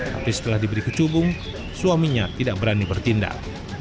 tapi setelah diberi kecubung suaminya tidak berani bertindak